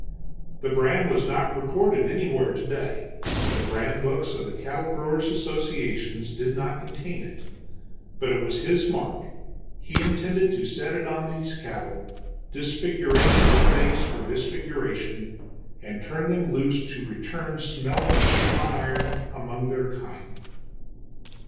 The brand was not recorded anywhere today; the brand books of the cattle growers' associations did not contain it. But it was his mark; he intended to set it on these cattle, disfiguration of face for disfiguration, and turn them loose to return smelling of the hot iron among their kind.